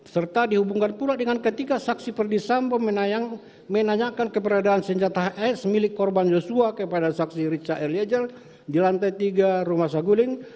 serta dihubungkan pula dengan ketika saksi perdisambo menanyakan keberadaan senjata hs milik korban yosua kepada saksi richard eliezer di lantai tiga rumah saguling